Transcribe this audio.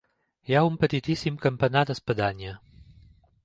Hi ha un petitíssim campanar d'espadanya.